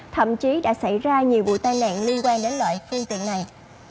thậm chí đã xảy ra nhiều vụ tai nạn liên quan đến loại phương tiện này